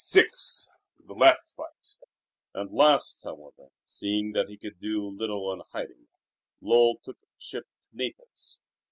VI The Last Fight At last, however, seeing that he could do little in hiding, Lull took ship to Naples.